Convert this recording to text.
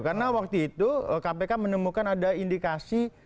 karena waktu itu kpk menemukan ada indikasi